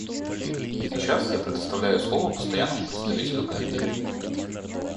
Сейчас я предоставляю слово Постоянному представителю Гамбии.